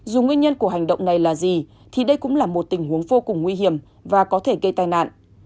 dù nguyên nhân của hành động này là gì thì đây cũng là một tình huống vô cùng nguy hiểm và có thể gây tai nạn